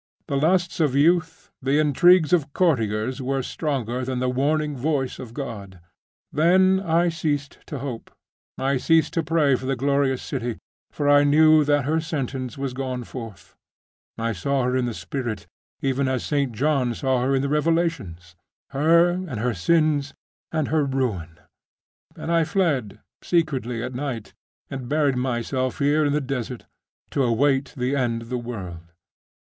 The lusts of youth, the intrigues of courtiers, were stronger than the warning voice of God; then I ceased to hope; I ceased to pray for the glorious city, for I knew that her sentence was gone forth; I saw her in the spirit, even as St. John saw her in the Revelations; her, and her sins, and her ruin. And I fled secretly at night, and buried myself here in the desert, to await the end of the world.